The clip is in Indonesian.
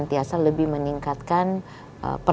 kita harus menjaga keberanian dan keberanian di wilayah lain